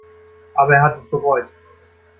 Aber er hat es bereut.